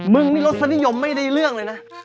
มึงนี่รสนิยมไม่ได้เรื่องเลยนะ